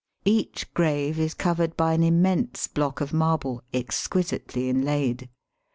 Each grave is covered by an immense block of marble exquisitely inlaid.